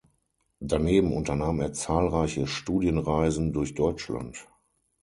Daneben unternahm er zahlreiche Studienreisen durch Deutschland.